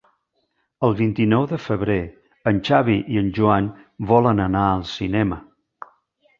El vint-i-nou de febrer en Xavi i en Joan volen anar al cinema.